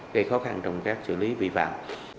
gây khó khăn trong các xử lý vi phạm